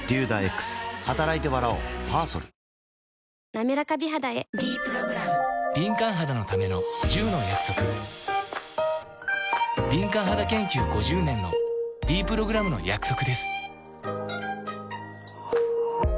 なめらか美肌へ「ｄプログラム」敏感肌研究５０年のｄプログラムの約束です